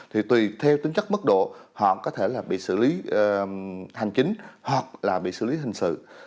thì tùy theo tính chất mức độ họ có thể là bị xử lý hành chính hoặc là bị xử lý hình sự